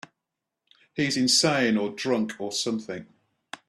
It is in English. He's insane or drunk or something.